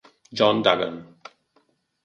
John Dugan